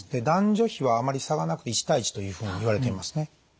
男女比はあまり差がなくて１対１というふうにいわれていますね。